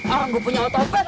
orang gua punya otopet